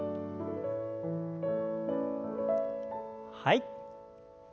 はい。